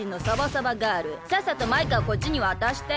さっさとマイカをこっちにわたして。